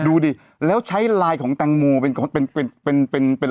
ดูดิแล้วใช้ลายของตังโมเป็นเป็นเป็นเป็นเป็นเป็นเป็น